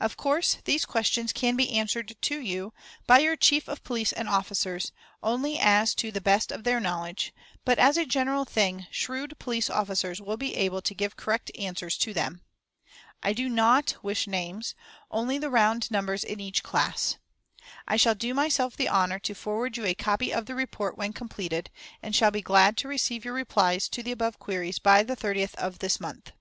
"Of course these questions can be answered to you, by your chief of police and officers, only as to the best of their knowledge; but, as a general thing, shrewd police officers will be able to give correct answers to them. I do not wish names, only the round numbers in each class. "I shall do myself the honor to forward you a copy of the report when completed, and shall be glad to receive your replies to the above queries by the 30th of this month.